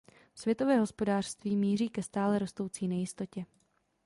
Světové hospodářství míří ke stále rostoucí nejistotě.